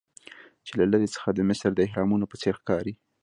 چې له لرې څخه د مصر د اهرامونو په څیر ښکاري.